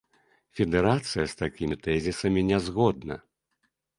Федэрацыя з такімі тэзісамі не згодна.